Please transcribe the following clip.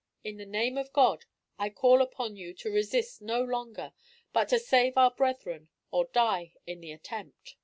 In the name of God, I call upon you to resist no longer, but to save our brethren, or die in the attempt."